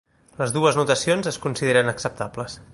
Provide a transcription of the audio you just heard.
Les dues notacions es consideren acceptables.